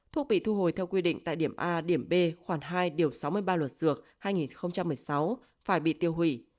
thuốc bị thu hồi theo quy định tại điểm a điểm b khoảng hai điều sáu mươi ba luật dược hai nghìn một mươi sáu phải bị tiêu hủy